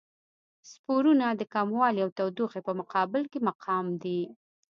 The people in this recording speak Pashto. سپورونه د کموالي او تودوخې په مقابل کې مقاوم دي.